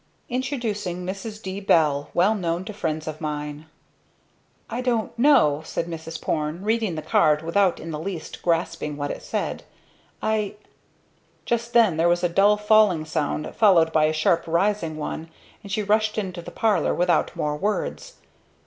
"Introducing Mrs. D. Bell, well known to friends of mine." "I don't know " said Mrs. Porne, reading the card without in the least grasping what it said. "I " Just then there was a dull falling sound followed by a sharp rising one, and she rushed into the parlor without more words.